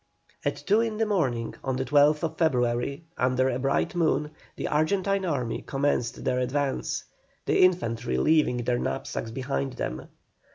At two in the morning of the 12th February, under a bright moon, the Argentine army commenced their advance, the infantry leaving their knapsacks behind them.